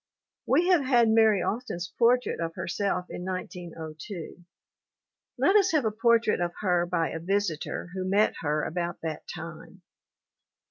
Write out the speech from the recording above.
We have had Mary Austin's portrait of herself in 1902; let us have a portrait of her by a visitor who met her about that time.